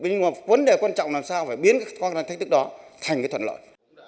nhưng mà vấn đề quan trọng là làm sao phải biến các khó khăn thách chức đó thành cái thuận lợi